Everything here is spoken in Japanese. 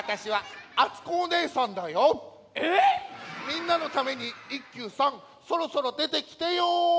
みんなのために一休さんそろそろでてきてよ。